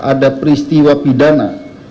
ada peristiwa pidana